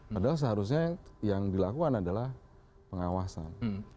padahal seharusnya yang dilakukan adalah pengawasan